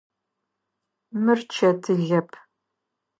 Мыр чэтылэп.